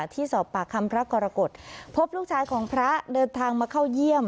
ที่สอบปากคำพระกรกฎพบลูกชายของพระเดินทางมาเข้าเยี่ยม